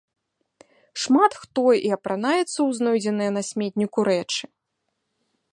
Шмат хто і апранаецца ў знойдзеныя на сметніку рэчы.